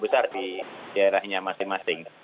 besar di daerahnya masing masing